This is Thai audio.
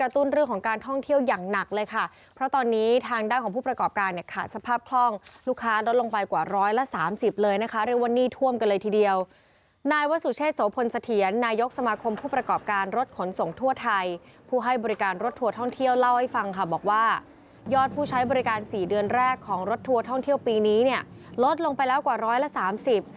ท่องเที่ยวปีนี้เนี่ยลดลงไปแล้วกว่าร้อยละสามสิบ